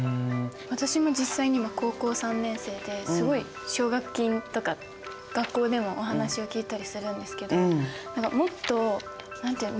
私も実際に今高校３年生ですごい奨学金とか学校でもお話を聞いたりするんですけど率直に思います。